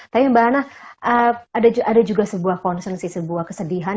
tapi mbak ana ada juga sebuah konsensi sebuah kesedihan